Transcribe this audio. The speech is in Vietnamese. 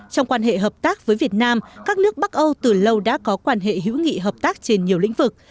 trong quan hệ hợp tác với việt nam các nước bắc âu từ lâu đã có quan hệ hữu nghị hợp tác trên nhiều lĩnh vực